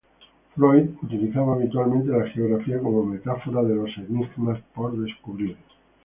Freud utilizaba habitualmente la geografía como metáfora de los enigmas por descubrir.